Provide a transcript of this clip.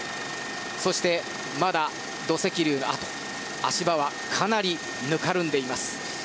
そしてまだ土石流の跡足場はかなりぬかるんでいます。